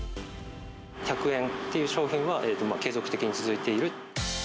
１００円っていう商品は、継続的に続いている。